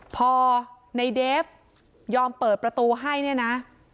พอในเดฟยอมเปิดประตูให้เนี่ยนะ